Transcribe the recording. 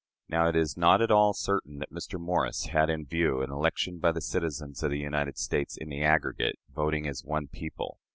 Now, it is not at all certain that Mr. Morris had in view an election by the citizens of the United States "in the aggregate," voting as one people.